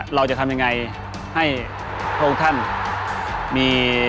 เราจะทำยังไงให้พวกท่านมี